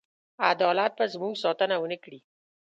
عدالت به زموږ ساتنه ونه کړي.